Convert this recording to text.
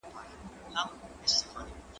ته ولي مېوې راټولې کوې!.